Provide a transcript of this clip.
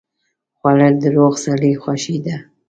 خوړل د روغ سړي خوښي ده